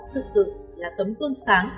thực sự là tấm tương sáng